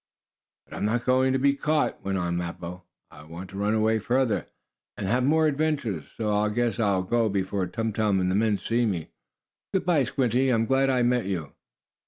"But I'm not going to be caught," went on Mappo. "I want to run away farther, and have more adventures. So I guess I'll go before Tum Tum and the men see me. Good by, Squinty. I'm glad I met you."